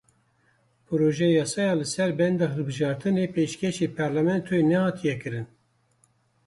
Projeyasaya li ser benda hilbijartinê pêşkêşî parlamentoyê nehatiye kirin.